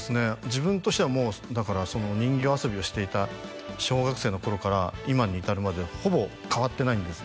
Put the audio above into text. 自分としてはもうだから人形遊びをしていた小学生の頃から今に至るまでほぼ変わってないんですよ